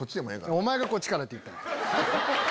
お前がこっち！って言ったんや。